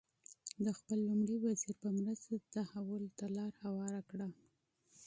د خپل لومړي وزیر په مرسته تحول ته لار هواره کړه.